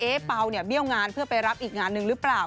เปล่าเนี่ยเบี้ยวงานเพื่อไปรับอีกงานหนึ่งหรือเปล่า